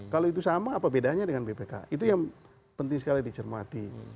kalau itu sama apa bedanya dengan bpk itu yang penting sekali dicermati